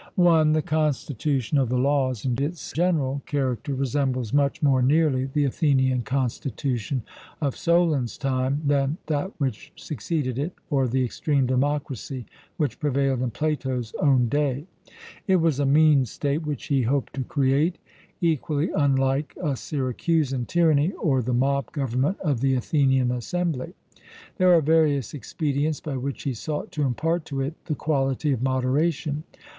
(i) The constitution of the Laws in its general character resembles much more nearly the Athenian constitution of Solon's time than that which succeeded it, or the extreme democracy which prevailed in Plato's own day. It was a mean state which he hoped to create, equally unlike a Syracusan tyranny or the mob government of the Athenian assembly. There are various expedients by which he sought to impart to it the quality of moderation.